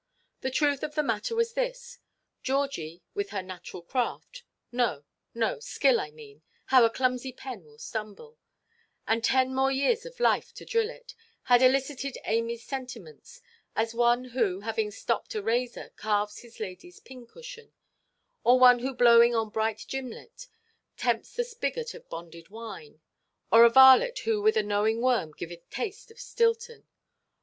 The truth of the matter was this: Georgie, with her natural craft—no, no! skill I mean; how a clumsy pen will stumble—and ten more years of life to drill it, had elicited Amyʼs sentiments; as one who, having stropped a razor, carves his ladyʼs pincushion, or one who blowing on bright gimlet tempts the spigot of bonded wine, or varlet who with a knowing worm giveth taste of Stilton.